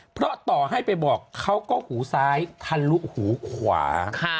เพราะต่อให้ไปบอกเขาก็หูซ้ายทะลุหูขวา